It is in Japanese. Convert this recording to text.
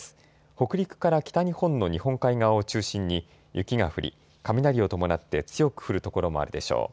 北陸から北日本の日本海側を中心に雪が降り、雷を伴って強く降る所もあるでしょう。